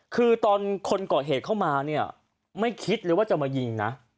คือตอนคนก่อเหตุเข้ามาเนี่ยไม่คิดเลยว่าจะมายิงนะ